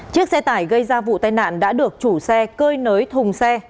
chiếc xe tải gây ra vụ tai nạn đã được chủ xe cơi nới thùng xe